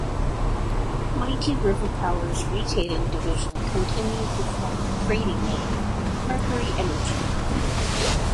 Mighty River Power's retailing division continued the former trading name Mercury Energy.